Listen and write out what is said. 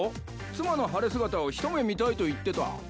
妻の晴れ姿をひと目見たいと言ってた。